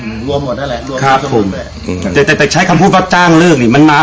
อืมรวมหมดนั่นแหละครับผมแต่แต่แต่ใช้คำพูดว่าจ้างเลิกนี่มันมา